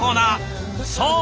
そう！